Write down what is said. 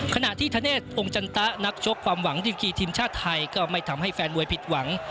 ขณะที่ธเนธองค์จันตะนักชกความหวังดิมกีทีมชาติไทยก็ไม่ทำให้แฟนมวยผิดหวัง